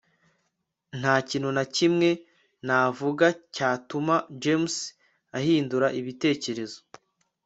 nta kintu na kimwe navuga cyatuma james ahindura ibitekerezo